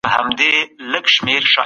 د بشر غړي ګډ ژوند کولو ته اړ دي.